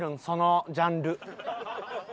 そのジャンル。